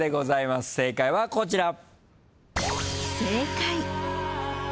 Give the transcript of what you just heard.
正解はこちら。